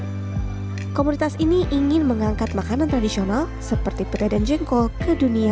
komunitas ini ingin mengangkat makanan tradisional seperti peda dan jengkol ke dunia